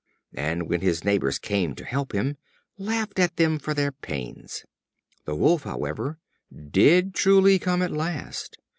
and when his neighbors came to help him, laughed at them for their pains. The Wolf, however, did truly come at last.